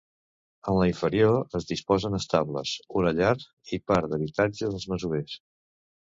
En la inferior es disposen estables, una llar i part d'habitatge dels masovers.